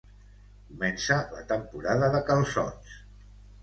Comença la temporada de calçots